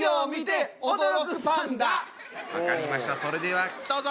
分かりましたそれではどうぞ！